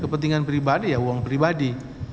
kepentingan pribadi ya uang pribadi